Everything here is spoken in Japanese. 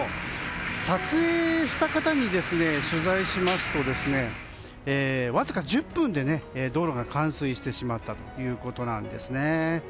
撮影した方に取材しますとわずか１０分で道路が冠水してしまったということなんです。